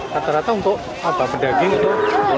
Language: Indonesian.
rata rata untuk apa daging atau